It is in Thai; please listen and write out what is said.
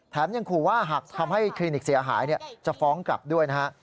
ยังขู่ว่าหากทำให้คลินิกเสียหายจะฟ้องกลับด้วยนะฮะ